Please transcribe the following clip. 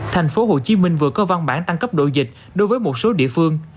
tp hcm vừa có văn bản tăng cấp độ dịch đối với một số địa phương